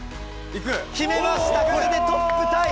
決めました、これでトップタイ。